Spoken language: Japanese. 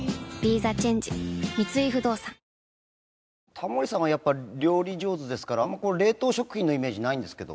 タモリさんはやっぱ料理上手ですからあんま冷凍食品のイメージないんですけど。